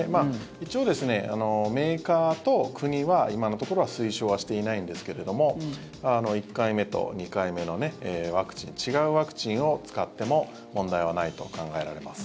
一応、メーカーと国は今のところは推奨はしていないんですけれども１回目と２回目のワクチン違うワクチンを使っても問題はないと考えられます。